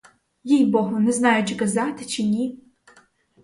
Їй-богу, не знаю, чи казати, чи ні?